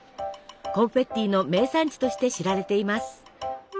コンフェッティの名産地として知られています。